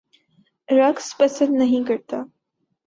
رقص پسند نہیں کرتا